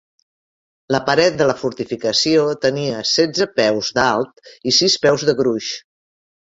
La paret de la fortificació tenia setze peus l"alt i sis peus de gruix.